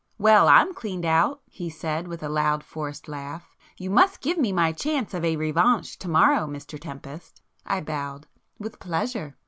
"Well, I'm cleaned out!" he said, with a loud forced laugh. "You must give me my chance of a revanche to morrow, Mr Tempest!" I bowed. "With pleasure!"